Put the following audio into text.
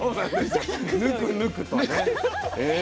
ぬくぬくと。